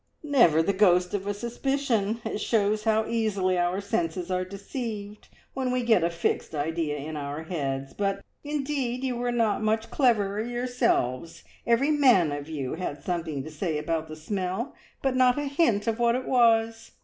"Never the ghost of a suspicion! It shows how easily our senses are deceived when we get a fixed idea in our heads; but indeed you were not much cleverer yourselves. Every man of you had something to say about the smell, but not a hint of what it was!"